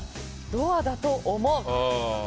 ドアだと思う。